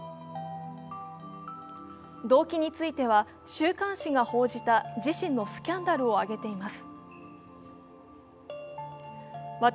動機については、週刊誌が報じた自身のスキャンダルを挙げています。